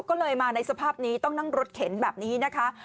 ก็เลยมาในสภาพนี้ต้องนั่งรถเข็นแบบนี้นะคะ